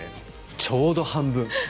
ちょうど半分。